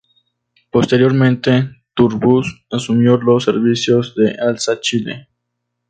Posteriormente Tur Bus asumió los servicios de Alsa Chile.